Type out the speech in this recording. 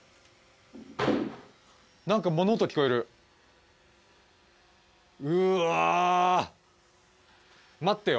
何か物音聞こえるうわ待ってよ